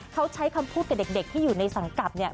เขาใช้คำพูดกับเด็กที่อยู่ในสังกัดเนี่ย